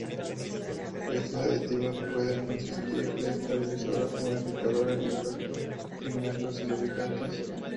Estos aditivos pueden consistir de estabilizadores, modificadores de impacto, pigmentos y lubricantes.